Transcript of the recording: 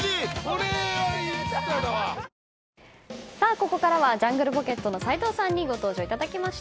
ここからはジャングルポケットの斉藤さんにご登場いただきます。